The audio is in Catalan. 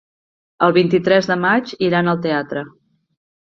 El vint-i-tres de maig iran al teatre.